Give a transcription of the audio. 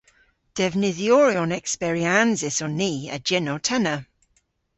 Devnydhyoryon eksperyansys on ni a jynnow-tenna.